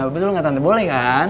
betul nggak tante boleh kan